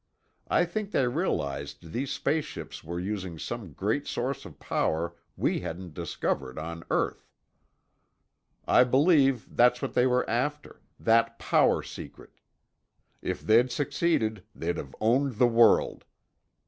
I think they realized these space ships were using some great source of power we hadn't discovered on earth. I believe that's what they were after—that power secret. If they'd succeeded, they'd have owned the world.